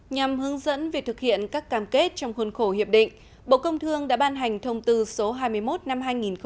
nhằm hướng dẫn việc thực hiện các cam kết trong khuôn khổ hiệp định bộ công thương đã ban hành thông tư số hai mươi một năm hai nghìn một mươi tám